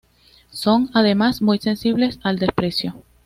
Son, además, muy sensibles al desprecio.